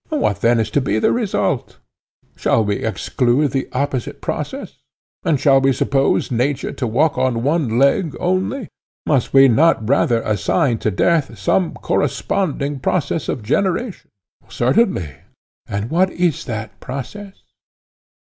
What then is to be the result? Shall we exclude the opposite process? And shall we suppose nature to walk on one leg only? Must we not rather assign to death some corresponding process of generation? Certainly, he replied. And what is that process?